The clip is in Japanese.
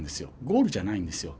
ゴールじゃないんですよ。